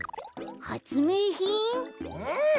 はつめいひん？